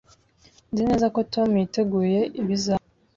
Nzi neza ko Tom yiteguye ibizaba.